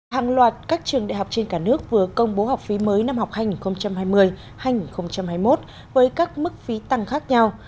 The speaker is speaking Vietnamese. hàng loạt các trường đại học trên cả nước vừa công bố học phí mới năm học hành hai mươi hai nghìn hai mươi một với các mức phí tăng khác nhau